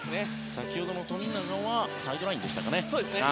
先ほどの富永はサイドラインでしたかね。